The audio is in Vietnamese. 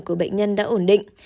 của bệnh nhân đã ổn định